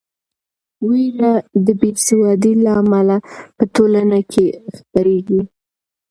وېره د بې سوادۍ له امله په ټولنه کې خپریږي.